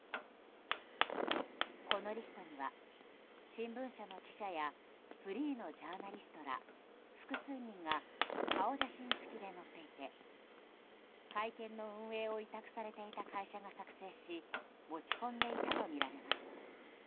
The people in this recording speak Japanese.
このリストには新聞社の記者やフリーのジャーナリストら複数人が顔写真付きで載っていて会見の運営を委託されていた会社が作成し持ち込んでいたとみられます。